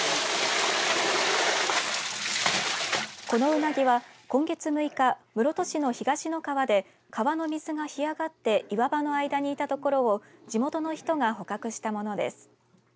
このウナギは、今月６日室戸市の東ノ川で川の水が干上がって岩場の間にいたところを地元の人が捕獲したものです。